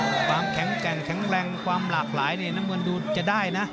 ความแข็งแกร่งแข็งแรงความหลากหลายเนี่ยน้ำเงินดูจะได้นะ